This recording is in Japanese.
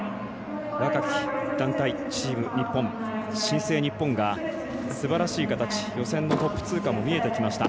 若き団体チーム、日本新生日本がすばらしい形予選のトップ通過も見えてきました。